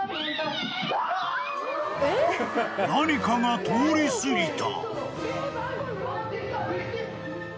［何かが通り過ぎた］